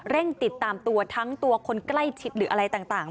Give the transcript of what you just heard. ติดตามตัวทั้งตัวคนใกล้ชิดหรืออะไรต่าง